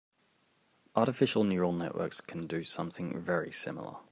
Artificial neural networks can do something very similar.